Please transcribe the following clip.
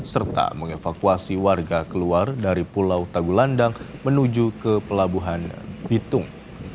serta mengevakuasi warga keluar dari pulau tagulandang menuju ke pelabuhan bitung